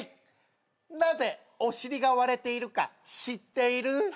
なぜお尻が割れているか知っている？